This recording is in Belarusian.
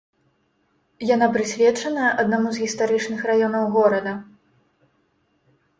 Яна прысвечаная аднаму з гістарычных раёнаў горада.